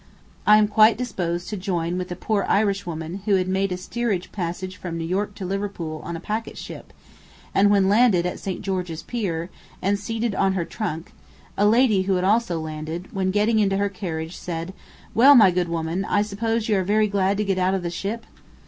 I am quite disposed to join with the poor Irish woman who had made a steerage passage from New York to Liverpool in a packet ship; and when landed at St. George's pier, and seated on her trunk, a lady who had also landed, when getting into her carriage, said, "Well, my good woman, I suppose you are very glad to get out of the ship?"